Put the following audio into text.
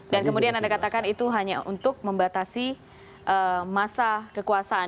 dan kemudian anda katakan itu hanya untuk membatasi masa kekuasaan